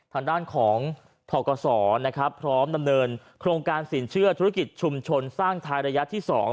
ทางด้านของทกศนะครับพร้อมดำเนินโครงการสินเชื่อธุรกิจชุมชนสร้างไทยระยะที่๒